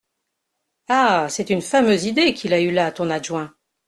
Ah !… c’est une fameuse idée qu’il a eue là, ton adjoint !…